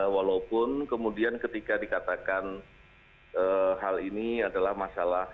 walaupun kemudian ketika dikatakan hal ini adalah masalah